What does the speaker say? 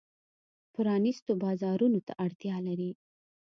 پرانیستو بازارونو ته اړتیا لري.